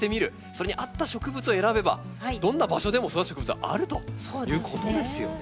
それに合った植物を選べばどんな場所でも育つ植物はあるということですよね。